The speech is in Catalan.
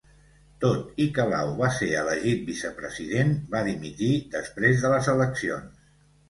Tot i que Lau va ser elegit vicepresident, va dimitir després de les eleccions.